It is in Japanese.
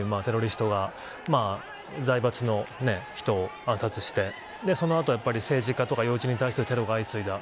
テロリストが財閥の人を暗殺してその後、政治家とか要人に対するテロが相次いだ。